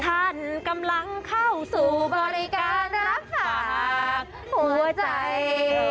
ท่านกำลังเข้าสู่บริการรักษาหัวใจ